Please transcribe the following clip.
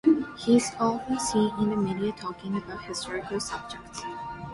He is often seen in the media talking about historical subjects.